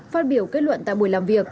phát biểu kết luận tại buổi làm việc